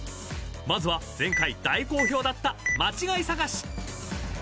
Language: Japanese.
［まずは前回大好評だった間違い探し］